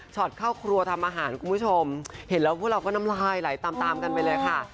เข้าครัวทำอาหารคุณผู้ชมเห็นแล้วพวกเราก็น้ำลายไหลตามตามกันไปเลยค่ะ